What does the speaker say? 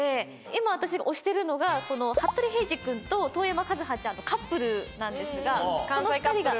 今私が推してるのが服部平次君と遠山和葉ちゃんのカップルなんですがこの２人が。